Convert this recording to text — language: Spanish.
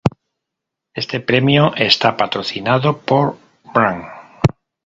Este premio está patrocinado por Brandt.